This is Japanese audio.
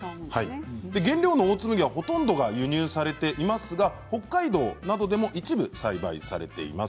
原料のオーツ麦はほとんどが輸入されていますが北海道などでも一部栽培されています。